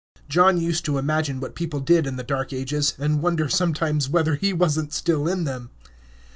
John used to imagine what people did in the dark ages, and wonder sometimes whether he was n't still in them.